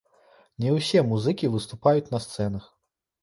Не ўсе музыкі выступаюць на сцэнах.